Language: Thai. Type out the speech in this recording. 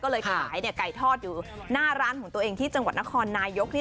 ก็เลยขายไก่ทอดอยู่ที่จังหวัดนครนายยก